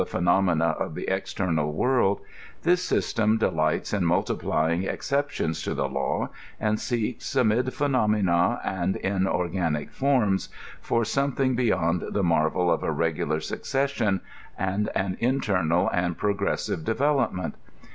phenomena of the external world, this system deUghts in multiplying exceptions to the law, and seeks, amid phenomena andln organic forms, for something beyond the marvel of a regular! succession, and an internal and progressive development.